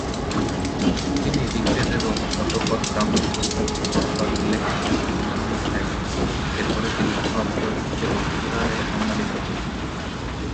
তিনি "ঋগ্বেদ" এবং "শতপথ ব্রাহ্মণ" পুস্তকে চারবার উল্লিখিত সাত ঋষির মধ্যে একজন, এরপরে তিনি "মহাভারত" এবং "পুরাণ" এ, সম্মানিত হয়েছেন।